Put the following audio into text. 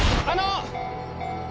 あの！